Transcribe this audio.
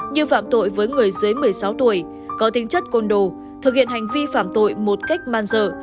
như phạm tội với người dưới một mươi sáu tuổi có tính chất côn đồ thực hiện hành vi phạm tội một cách man dợ